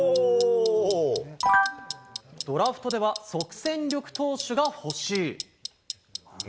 ドラフトでは即戦力投手が欲しい。